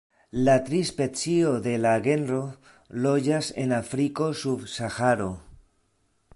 La tri specioj de la genro loĝas en Afriko sub Saharo.